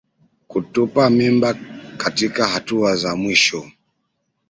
Kutupa mimba katika hatua za mwisho